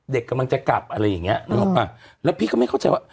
เด็กกำลังจะกลับอะไรอย่างนี้แล้วพี่ก็ไม่เข้าใจว่า